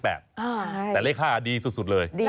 แต่เลข๕ดีสุดเลย